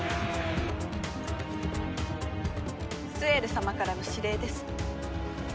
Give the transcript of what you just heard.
スエル様からの指令です。